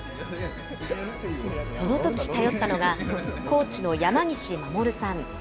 そのとき頼ったのが、コーチの山岸護さん。